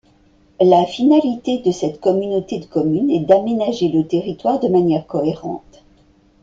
La finalité de cette communauté de communes est d'aménager le territoire de manière cohérente.